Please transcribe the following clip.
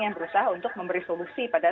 yang berusaha untuk memberi solusi pada